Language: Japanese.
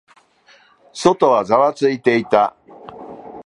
外はざわついていた。